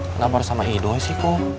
kenapa harus sama idoi sih kum